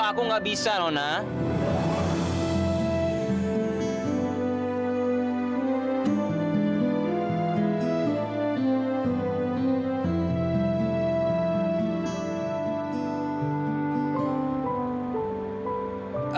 tanpa bantuan kamu